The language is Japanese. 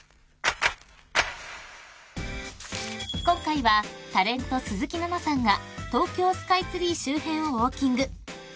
［今回はタレント鈴木奈々さんが東京スカイツリー周辺をウオーキング］